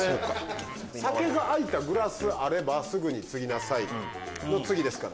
「酒が空いたグラスあれば直ぐに注ぎなさい」の次ですから。